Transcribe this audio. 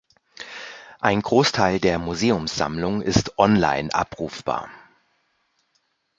Ein Großteil der Museumssammlung ist online abrufbar.